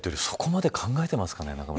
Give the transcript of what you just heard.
そこまで考えてますかね。